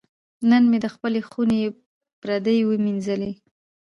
نن مې د خپلې خونې پردې وینځلې.